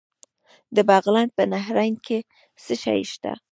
د بغلان په نهرین کې څه شی شته؟